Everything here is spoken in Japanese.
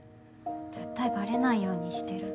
絶対ばれないようにしてる。